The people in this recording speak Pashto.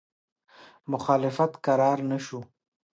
مخالفت کرار نه شو.